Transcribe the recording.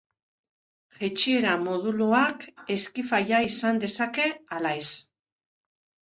Jaitsiera moduluak eskifaia izan dezake ala ez.